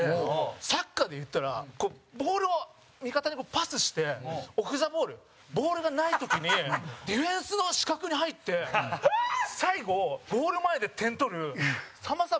サッカーで言ったらボールを味方にパスしてオフザボール、ボールがない時にディフェンスの死角に入って最後、ゴール前で点取るさんまさん